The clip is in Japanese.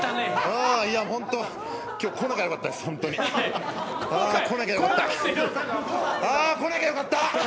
あー、来なきゃよかった！